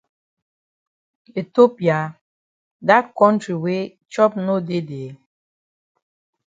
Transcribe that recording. Ethiopia! Dat kontri wey chop no dey dey?